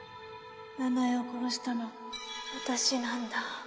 奈々江を殺したの私なんだ。